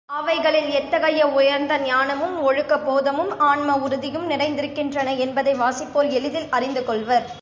அவைகளில் எத்தகைய உயர்ந்த ஞானமும், ஒழுக்க போதமும், ஆன்ம உறுதியும் நிறைந்திருக்கின்றன என்பதை வாசிப்போர் எளிதில் அறிந்துகொள்வர்.